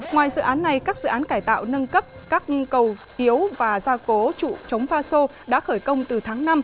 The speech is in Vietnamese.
ngoài dự án này các dự án cải tạo nâng cấp các cầu yếu và gia cố trụ chống pha sô đã khởi công từ tháng năm